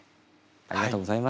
ありがとうございます。